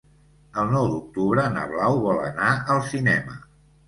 El nou d'octubre na Blau vol anar al cinema.